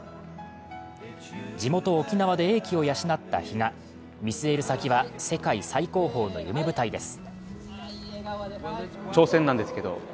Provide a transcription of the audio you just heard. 地元・沖縄で英気を養った比嘉、見据える先は世界最高峰の夢舞台です。